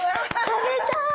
食べたい。